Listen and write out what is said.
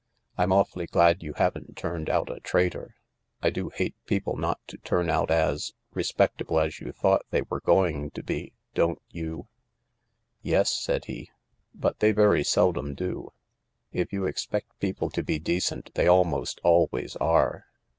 " I'm awfully glad you haven't turned out a traitor. I do hate people not to turn out as— respectable as you thought they were going to be, don't you ?"" Yes," said he, " but they very seldom do. If you expect people to be decent they almost always are.